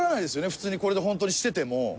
普通にこれでホントにしてても。